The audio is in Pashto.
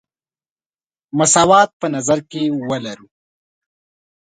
مساوات په نظر کې ولرو.